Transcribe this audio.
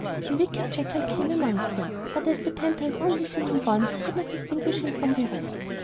The wicked jackal came amongst them; but as the panther had only seen him once he could not distinguish him from the rest.